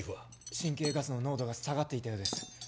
神経ガスの濃度が下がっていたようです